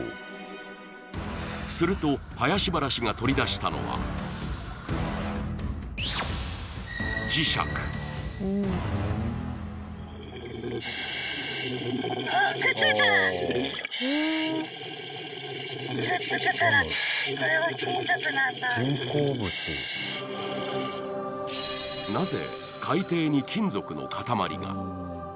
すると林原氏が取り出したのはなぜ海底に金属の塊が？